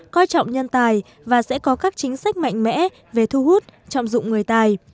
coi trọng nhân tài và sẽ có các chính sách mạnh mẽ về thu hút trọng dụng người tài